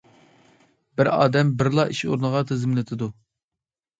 بىر ئادەم بىرلا ئىش ئورنىغا تىزىملىتىدۇ.